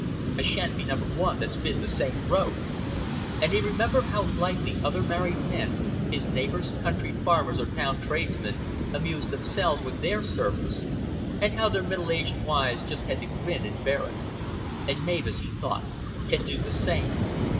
I shan't be Number One that's bin th' same road!" and he remembered how lightly other married men, his neighbors, country farmers, or town tradesmen, amused themselves with their servants, and how their middle aged wives just had to grin and bear it. "An' Mavis," he thought, "can do the same.